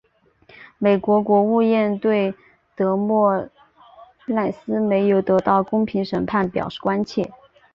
美国国务院对德莫赖斯没有得到公平审判表示关切。